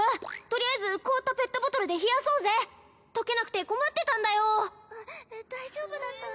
とりあえず凍ったペットボトルで冷やそうぜ溶けなくて困ってたんだよ・大丈夫だった？